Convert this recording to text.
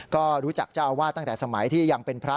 ก็รู้จักเจ้าอาวาสตั้งแต่สมัยที่ยังเป็นพระ